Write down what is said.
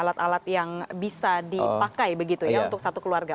alat alat yang bisa dipakai begitu ya untuk satu keluarga